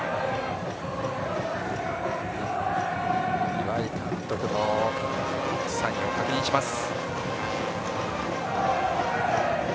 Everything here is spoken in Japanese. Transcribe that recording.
岩井監督のサインを確認します。